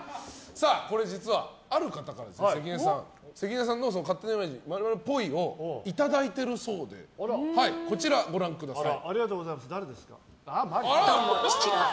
実は、ある方から関根さんの勝手なイメージ○○っぽいをいただいているそうでこちらご覧ください。